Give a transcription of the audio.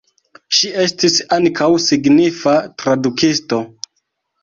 Ŝi estis ankaŭ signifa tradukisto.